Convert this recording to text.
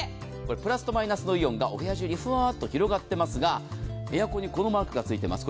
プラスとマイナスのイオンがお部屋中に広がっていますがエアコンにこのマークがついています。